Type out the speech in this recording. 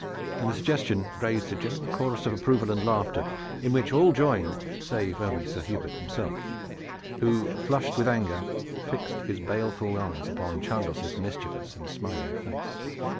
The suggestion raised a general chorus of approval and laughter, in which all joined, save only Sir Hubert himself, who, flushed with anger, fixed his baleful eyes upon Chandos' mischievous and smiling face.